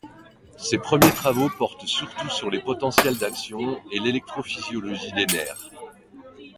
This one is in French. Ses premiers travaux portent surtout sur les potentiels d'action et l'électrophysiologie des nerfs.